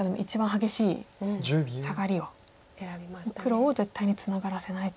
黒を絶対にツナがらせないと。